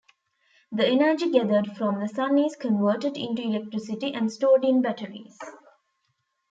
The energy gathered from the sun is converted into electricity and stored in batteries.